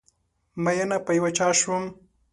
ميېنه په یو چا شم